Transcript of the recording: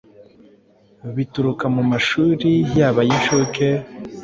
bituruka mu mashuri yaba ay’inshuke,